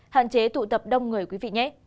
hạn chế tụ tập đông người quý vị nhé